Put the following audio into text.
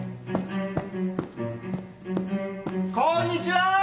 こんにちは！